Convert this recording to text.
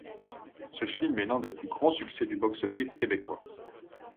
Ce film est l'un des plus grands succès du box-office québécois.